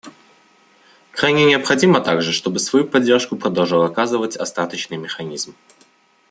Крайне необходимо также, чтобы свою поддержку продолжал оказывать Остаточный механизм.